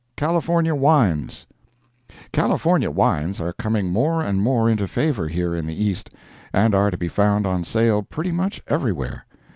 CALIFORNIA WINES CALIFORNIA wines are coming more and more into favor here in the East, and are to be found on sale pretty much everywhere.